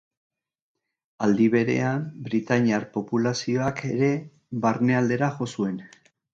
Aldi berean, britainiar populazioak ere barnealdera jo zuen.